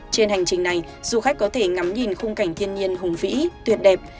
trên hành trình này du khách có thể ngắm nhìn khung cảnh thiên nhiên hùng vĩ tuyệt đẹp